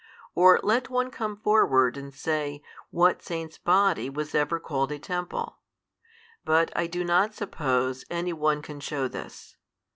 Or let one come forward and say, what saint's body was ever called a temple; but I do not suppose any one can shew this.